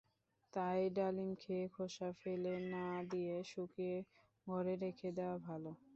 তাই ডালিম খেয়ে খোসা ফেলে না দিয়ে শুকিয়ে ঘরে রেখে দেয়া ভালো।